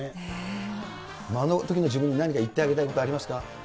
あのときの自分に何か言ってあげたいことありますか？